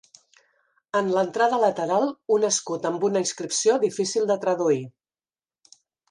En l'entrada lateral un escut amb una inscripció difícil de traduir.